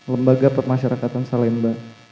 lembaga permasyarakatan salemba